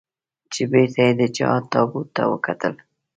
چې بېرته یې د جهاد تابوت ته وکتل.